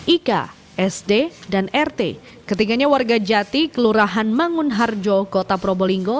ika sd dan rt ketiganya warga jati kelurahan mangunharjo kota probolinggo